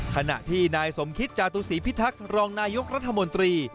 ขณะที่นายสมคิตจาตุศีพิทักษ์รองนายกรัฐมนตรี